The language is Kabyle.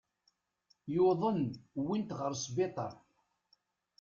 Yuḍen, uwin-t ɣer sbiṭer.